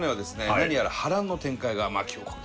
何やら波乱の展開が巻き起こる！